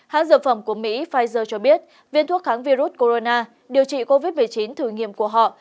hãng dược phẩm của mỹ pfizer cho biết viên thuốc kháng virus corona điều trị covid một mươi chín thử nghiệm của họ